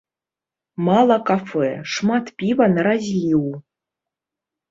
Мала кафэ, шмат піва на разліў.